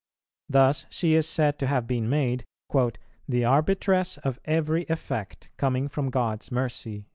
Thus she is said to have been made "the arbitress of every effect coming from God's mercy."